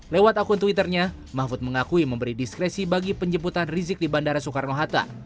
lewat akun twitternya mahfud mengakui memberi diskresi bagi penjemputan rizik di bandara soekarno hatta